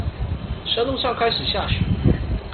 山路上開始下雪